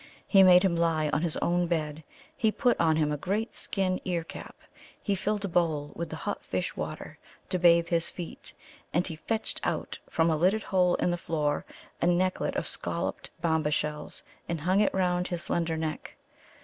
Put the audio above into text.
He made him lie on his own bed; he put on him a great skin ear cap; he filled a bowl with the hot fish water to bathe his feet; and he fetched out from a lidded hole in the floor a necklet of scalloped Bamba shells, and hung it round his slender neck.